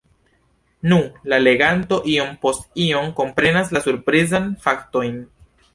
Nu, la leganto iom post iom komprenas la surprizajn faktojn.